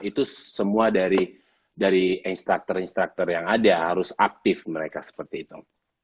itu semua dari instructor instruktur yang ada harus aktif mereka seperti itu